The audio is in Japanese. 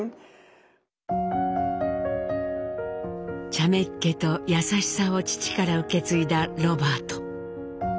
ちゃめっ気と優しさを父から受け継いだロバート。